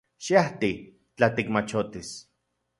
Xiajti — tla tikmachotis.